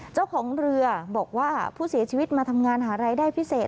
เจ้าของเรือบอกว่าผู้เสียชีวิตมาทำงานหารายได้พิเศษ